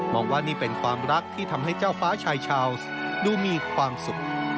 บอกว่านี่เป็นความรักที่ทำให้เจ้าฟ้าชายชาวส์ดูมีความสุข